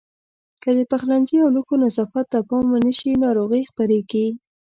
که د پخلنځي او لوښو نظافت ته پام ونه شي ناروغۍ خپرېږي.